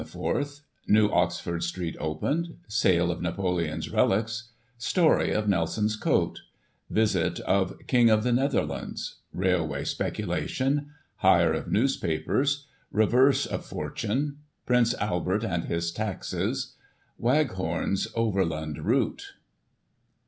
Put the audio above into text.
— New Oxford Street opened — Sale of Napoleon's relics — Story of Nelson's coat — Visit of King of the Netherlands — Railway speculation — Hire of newspapers — Reverse of fortune — Prince Albert and his taxes — Waghorn's overland route.